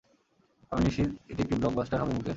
আমি নিশ্চিত এটি একটি ব্লকবাস্টার হবে মুকেশ।